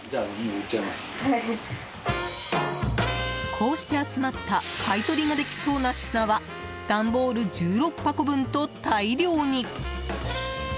こうして集まった買い取りができそうな品は段ボ−ル１６箱分と大量に。